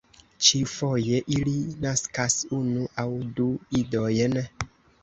Ĉiufoje ili naskas unu aŭ du idojn.